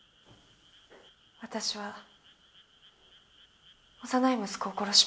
私は幼い息子を殺しました。